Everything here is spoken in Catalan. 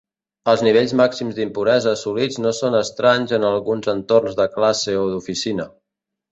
Els nivells màxims d'impuresa assolits no són estranys en alguns entorns de classe o d'oficina.